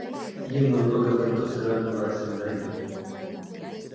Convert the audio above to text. Ia merupakan bentuk seragam bahasa Melayu.